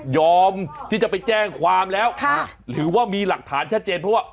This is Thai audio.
ที่จะไปแจ้งความแล้วหรือว่ามีหลักฐานชัดเจนเพราะว่า